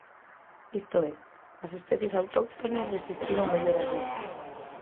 Isto é, as especies autóctonas resistiron mellor as lapas.